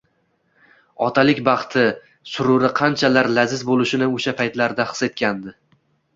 Otalik baxti sururi qanchalar laziz bo`lishini o`sha paytlarda his etgandi